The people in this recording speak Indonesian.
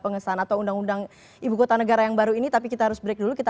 pengesahan atau undang undang ibu kota negara yang baru ini tapi kita harus break dulu kita